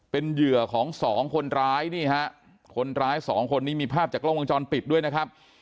เป็นเหยื่อของสองคนร้ายนี่ฮะคนร้ายสองคนนี้มีภาพจากกล้องวงจรปิดด้วยนะครับ